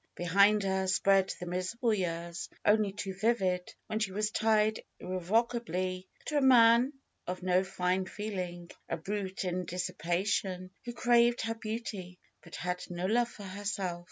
Behind her spread the miserable years, only too vivid, when she was tied irrevocably to a man of no fine feeling; a brute in dissipation, who craved her beauty, but had no love for herself.